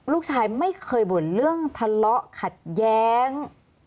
ลูกชายไม่เคยบ่นเรื่องทะเลาะขัดแย้ง